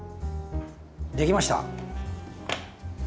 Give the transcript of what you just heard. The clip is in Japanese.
できました。